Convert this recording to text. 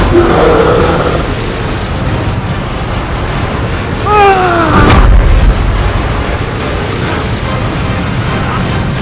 sampai data kunci